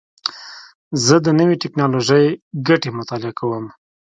زه د نوې ټکنالوژۍ ګټې مطالعه کوم.